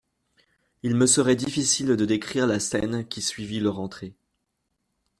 Il me serait difficile de décrire la scène qui suivit leur entrée.